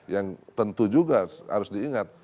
yang tentu juga harus diingat